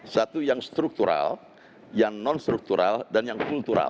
satu yang struktural yang non struktural dan yang kultural